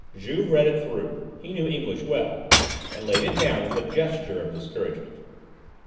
Juve read it through he knew English well and laid it down with a gesture of discouragement.